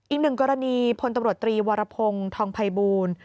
อีกหนึ่งกรณีพลตำรวจตรีวรพงศ์ทองภัยบูล